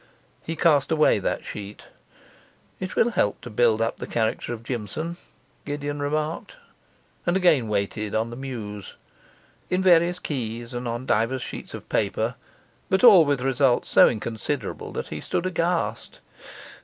He cast away that sheet. 'It will help to build up the character of Jimson,' Gideon remarked, and again waited on the muse, in various keys and on divers sheets of paper, but all with results so inconsiderable that he stood aghast.